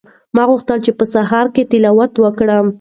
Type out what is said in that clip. ما غوښتل چې په سهار کې تلاوت وکړم.